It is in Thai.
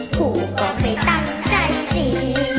กูก็ไม่ต้องใจดี